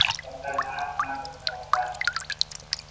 ڪڪر سنهآ سنهآ پٿر هوندآ هينٚ۔